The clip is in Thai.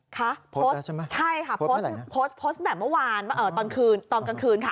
ค่ะโพสต์ใช่ไหมโพสต์เมื่อไหร่นะโพสต์ตอนกลางคืนค่ะ